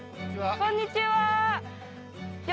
こんにちは。